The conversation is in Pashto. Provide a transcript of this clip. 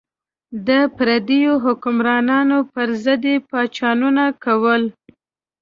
د پردیو حکمرانانو پر ضد یې پاڅونونه کول.